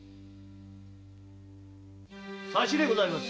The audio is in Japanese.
差しでございます。